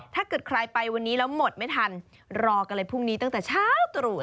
ถ้าเกิดใครไปวันนี้แล้วหมดไม่ทันรอกันเลยพรุ่งนี้ตั้งแต่เช้าตรู่